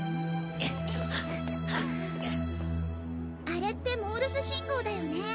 あれってモールス信号だよね？